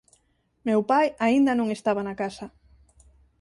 Meu pai aínda non estaba na casa.